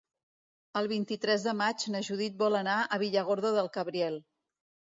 El vint-i-tres de maig na Judit vol anar a Villargordo del Cabriel.